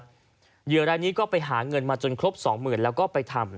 เหยื่อรายนี้ก็ไปหาเงินมาจนครบสองหมื่นแล้วก็ไปทำ